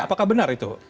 apakah benar itu